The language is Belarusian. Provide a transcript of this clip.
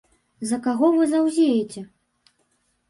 За каго вы заўзееце?